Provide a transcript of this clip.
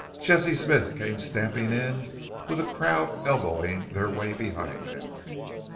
Jesse Smith came stamping in, with a crowd elbowing their way behind him.